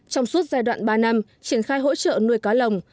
trong suốt giai đoạn ba năm triển khai hỗ trợ nuôi cá lồng